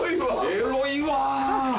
エロいわ。